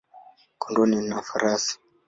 kondoo na farasi.